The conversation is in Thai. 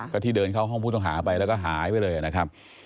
ก็ที่เดินเข้าห้องผู้ต้องหาไปแล้วก็หายไปเลยนะครับ